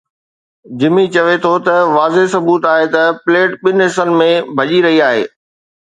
جمي چوي ٿو ته واضح ثبوت آهي ته پليٽ ٻن حصن ۾ ڀڃي رهي آهي.